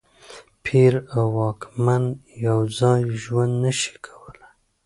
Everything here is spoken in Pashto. پیر او واکمن یو ځای ژوند نه شي کولای.